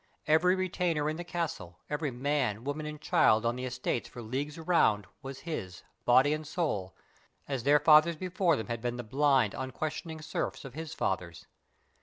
Every retainer in the Castle, every man, woman, and child on the estates for leagues around, was his, body and soul, as their fathers before them had been the blind, unquestioning serfs of his fathers.